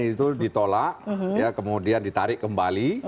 itu ditolak kemudian ditarik kembali